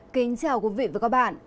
kính chào quý vị và các bạn